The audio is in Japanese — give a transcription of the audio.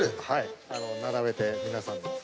並べて皆さんの。